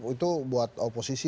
itu buat oposisi